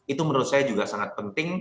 itu menurut saya juga sangat penting